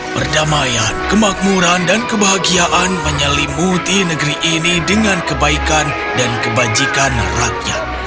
perdamaian kemakmuran dan kebahagiaan menyelimuti negeri ini dengan kebaikan dan kebajikan rakyat